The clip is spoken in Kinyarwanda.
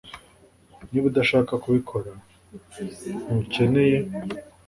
Niba udashaka kubikora ntukeneye